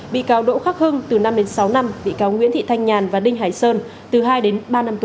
bị cáo đỗ khắc hưng từ năm đến sáu năm bị cáo nguyễn thị thanh nhàn và đinh hải sơn từ hai đến ba năm tù